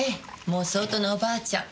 もう相当なおばあちゃん。